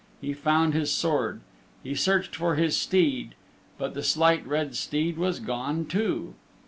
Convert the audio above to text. He found his sword; be searched for his steed, but the Slight Red Steed was gone too.